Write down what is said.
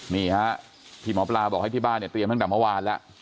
นี่ฮะที่หมอปลาบอกให้ที่บ้านเนี่ยเตรียมตั้งแต่เมื่อวานแล้ว